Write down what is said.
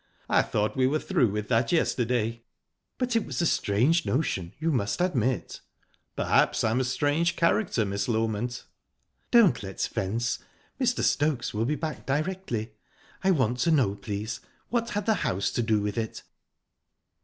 I thought we were through with that yesterday." "But it was a strange notion, you must admit." "Perhaps I'm a strange character, Miss Loment." "Don't let's fence. Mr. Stokes will be back directly. I want to know, please what had the house to do with it?"